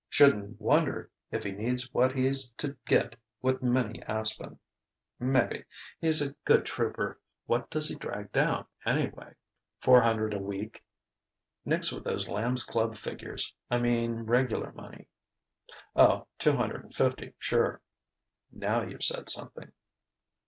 Shouldn't wonder if he needs what he's to get with Minnie Aspen." "Mebbe. He's a good trouper. What does he drag down, anyway?" "Four hundred a week." "Nix with those Lambs' Club figures. I mean regular money." "Oh, two hundred and fifty, sure." "Now you've said something...."